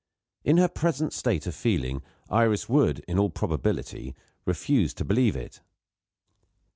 In her present state of feeling, Iris would, in all probability, refuse to believe it.